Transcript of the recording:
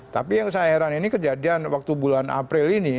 tapi yang saya heran ini kejadian waktu bulan april ini